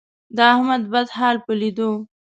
د احمد بد حال په لیدو،